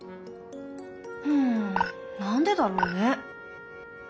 うん何でだろうね？